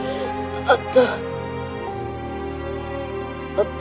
あった。